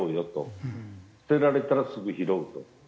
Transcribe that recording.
捨てられたらすぐ拾うと。